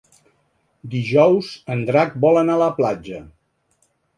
Dijous en Drac vol anar a la platja.